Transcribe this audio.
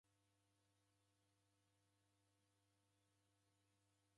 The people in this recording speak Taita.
Daraja rose remilika noko ndenyi.